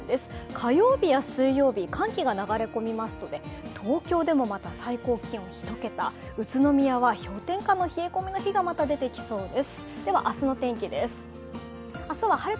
火曜日や水曜日、寒気が流れ込みますと、東京でも最高気温１桁、宇都宮は氷点下の冷え込みの日がまた出てきそうです。